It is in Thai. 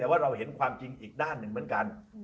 แต่ว่าเราเห็นความจริงอีกด้านหนึ่งเหมือนกัน